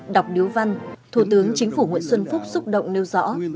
đọc điếu văn thủ tướng chính phủ nguyễn xuân phúc xúc động nêu rõ